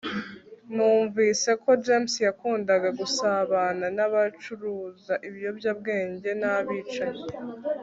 numvise ko james yakundaga gusabana n'abacuruza ibiyobyabwenge n'abicanyi